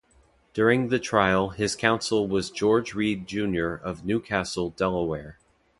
During the trial his counsel was George Read Junior of New Castle, Del.